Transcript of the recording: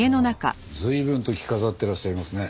随分と着飾ってらっしゃいますね。